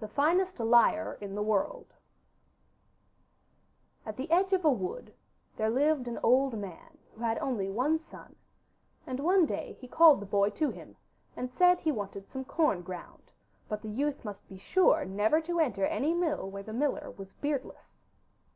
THE FINEST LIAR IN THE WORLD At the edge of a wood there lived an old man who had only one son, and one day he called the boy to him and said he wanted some corn ground, but the youth must be sure never to enter any mill where the miller was beardless.